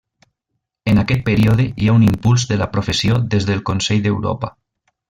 En aquest període hi ha un impuls de la professió des del Consell d'Europa.